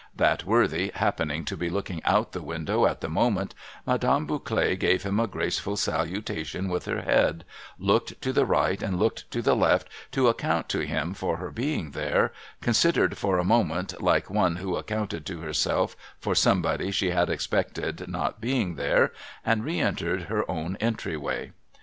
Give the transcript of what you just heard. That worthy happening to be looking out of window at the moment, Madame Bouclet gave him a graceful salutation with her head, looked to the right and looked to the left to account to him for her being there, considered for a moment, like one who accounted to herself for somebody she had expected not being there, and reentered her own gateway.